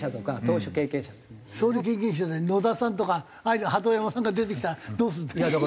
総理経験者で野田さんとか鳩山さんが出てきたらどうすんだ？